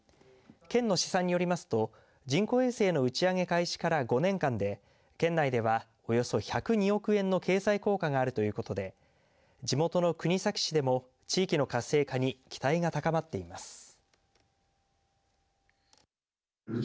県の試算によりますと人工衛星の打ち上げ開始から５年間で県内では、およそ１０２億円の経済効果があるということで地元の国東市でも地域の活性化に期待が高まっています。